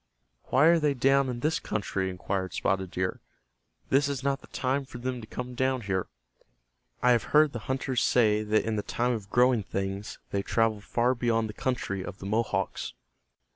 "Why are they down in this country?" inquired Spotted Deer. "This is not the time for them to come down here. I have heard the hunters say that in the time of growing things they travel far beyond the country of the Mohawks."